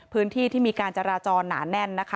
พื้นที่ที่มีการจรรจอหนาแน่น